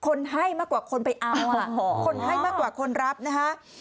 คนให้มากกว่าคนไปเอาคนให้มากกว่าคนรับนะคะ